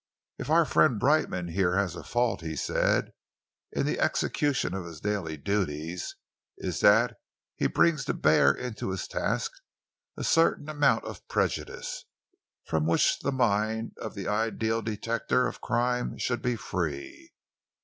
"If our friend Brightman here has a fault," he said, "in the execution of his daily duties, it is that he brings to bear into his task a certain amount of prejudice, from which the mind of the ideal detector of crime should be free.